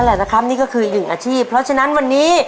แหละนะครับนี่ก็คือหนึ่งอาชีพเพราะฉะนั้นวันนี้